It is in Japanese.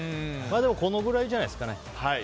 でもこのぐらいじゃないですかね。